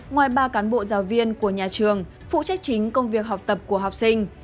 ngoài ba cán bộ giáo viên của nhà trường phụ trách chính công việc học tập của học sinh